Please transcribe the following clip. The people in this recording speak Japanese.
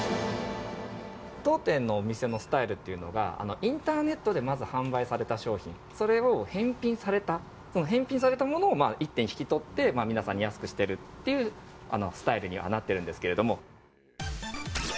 当店のお店のスタイルっていうのが、インターネットでまず販売された商品、それを返品された、その返品されたものを一手に引き取って、皆さんに安くしてるっていうスタイルにはなってるんですけども。